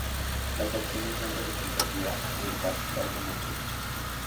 Las acciones son representativas del capital de una empresa.